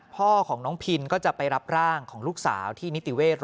พ่อของน้องพินก็จะไปรับร่างของลูกสาวที่นิติเวศโรงพยาบาลตำรวจ